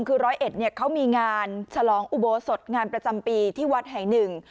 คือร้อยเอ็ดเนี่ยเขามีงานฉลองอุโบสถงานประจำปีที่วัดแห่งหนึ่ง